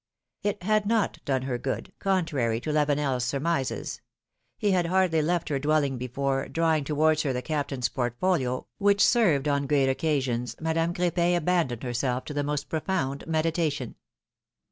^^ It had not done her good, contrary to LaveneFs sur mises. He had hardly left her dwelling before, drawing towards her the Captain's portfolio, which served on great occasions, Madame Cr^pin abandoned herself to the most profound meditation.